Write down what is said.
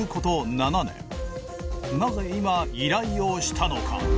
７年なぜ今依頼をしたのか？